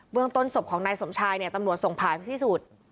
เมืองต้นศพของนายสมชายเนี่ยตำรวจส่งผ่าพิสูจน์